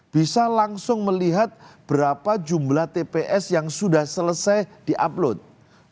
bisa langsung melihat berapa jumlah tps yang sudah selesai di upload